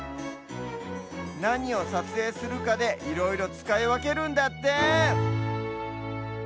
なにをさつえいするかでいろいろつかいわけるんだって！